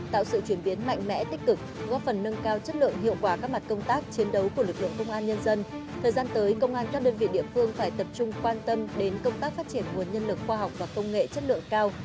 thời gian tới công an các đơn vị địa phương phải tập trung quan tâm đến công tác phát triển nguồn nhân lực khoa học và công nghệ chất lượng cao